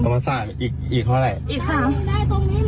ทองก็ให้ไปแล้วเอาไปขายดิ